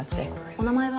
お名前は？